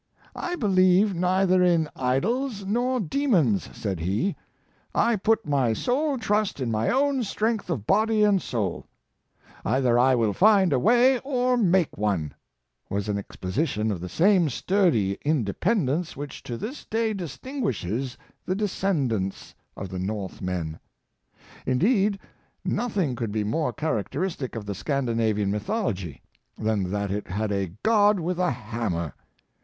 " I believe neither in idols nor de mons," said he, '^ I put my sole trust in my own strength of body and soul." The ancient crest of a pickaxe with the motto of ^' Either I will find a way or make one," was an exposition of the same sturdy inde pendence which to this day distinguishes the descend ants of the Northmen. Indeed nothing could be more characteristic of the Scandinavian mythology, than that it had a God with a hammer.